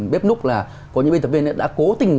bếp núp là có những viên tập viên đã cố tình